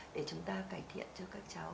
để chúng ta cải thiện cho các cháu